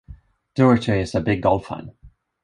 Dougherty is a big golf fan.